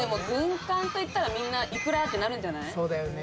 軍艦と言ったら、みんないくらってなるんじゃない？